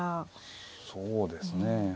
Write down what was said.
そうですね。